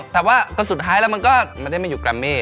แต่ว่าก็สุดท้ายแล้วมันก็ไม่ได้มาอยู่แกรมมี่